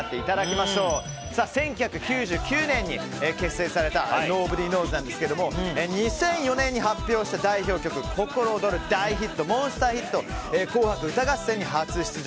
１９９９年に結成されたｎｏｂｏｄｙｋｎｏｗｓ＋ですけども２００４年に発表した代表曲「ココロオドル」が大ヒットモンスターヒットで「紅白歌合戦」に初出場